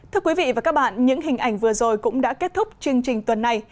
thưa quý vị và các bạn những hình ảnh vừa rồi cũng đã kết thúc chương trình tuần này